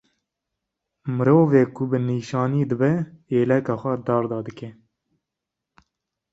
Mirovê ku bi nîşanî dibe êleka xwe darda dike